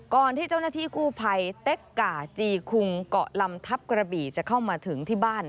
ก่อนที่เจ้าหน้าที่กู้ภัยเต็กก่าจีคุงเกาะลำทัพกระบี่จะเข้ามาถึงที่บ้าน